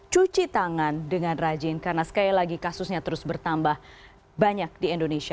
cuci tangan dengan rajin karena sekali lagi kasusnya terus bertambah banyak di indonesia